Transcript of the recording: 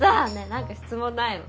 何か質問ないの？